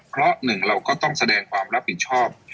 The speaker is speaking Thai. เพราะหนึ่งเราก็ต้องแสดงความรับผิดชอบ